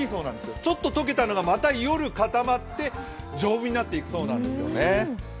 ちょっと解けたのがまた夜固まって、丈夫になっていくそうなんですね。